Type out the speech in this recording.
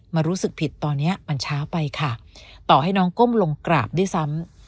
รู้สึกผิดตอนนี้มันช้าไปค่ะต่อให้น้องก้มลงกราบด้วยซ้ำ